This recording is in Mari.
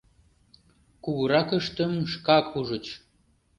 Кугуракыштым шкак ужыч.